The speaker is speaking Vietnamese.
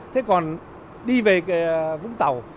thế còn đi về vũng tàu